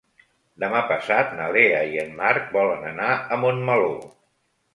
Demà passat na Lea i en Marc volen anar a Montmeló.